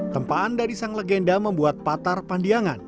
tempaan dari sang legenda membuat patar pandiangan